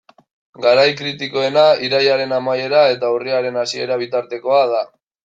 Garai kritikoena irailaren amaiera eta urriaren hasiera bitartekoa da.